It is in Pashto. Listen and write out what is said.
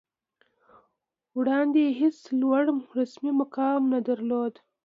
وړاندې یې هېڅ کوم لوړ رسمي مقام نه درلود